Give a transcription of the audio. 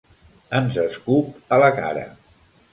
Ens escup a la cara.